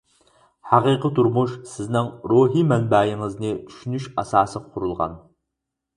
ھەقىقىي تۇرمۇش، سىزنىڭ روھىي مەنبەيىڭىزنى چۈشىنىش ئاساسىغا قۇرۇلغان.